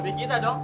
kece kita dong